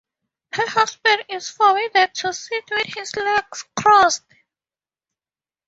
Her husband is forbidden to sit with his legs crossed.